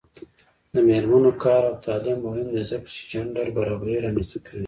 د میرمنو کار او تعلیم مهم دی ځکه چې جنډر برابري رامنځته کوي.